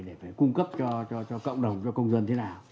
để phải cung cấp cho cộng đồng cho công dân thế nào